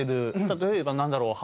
例えばなんだろう？